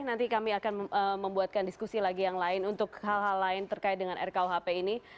nanti kami akan membuatkan diskusi lagi yang lain untuk hal hal lain terkait dengan rkuhp ini